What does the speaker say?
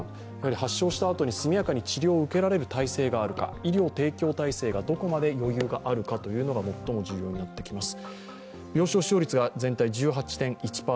発症したあとに速やかに医療を受けられる体制があるか、医療提供体制がどこまで余裕があるかというのが最も重要になってきます。